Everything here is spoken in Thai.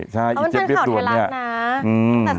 เขาเป็นแฟนข่าวไทยรัสนะ